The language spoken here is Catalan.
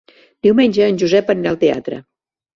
Diumenge en Josep anirà al teatre.